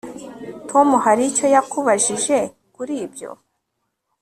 Tom hari icyo yakubajije kuri ibyo